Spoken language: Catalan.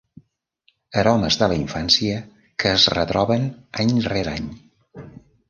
Aromes de la infància que es retroben any rere any.